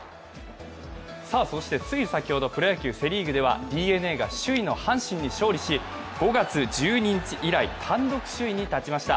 そしてつい先ほどプロ野球セ・リーグでは、ＤｅＮＡが首位の阪神に勝利し、５月１２日以来、単独首位に立ちました。